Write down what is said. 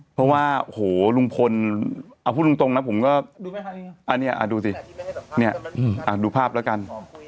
เพราะว่าโหลุงพลพูดลงตรงนะผมก็ดูสิดูภาพแล้วกัน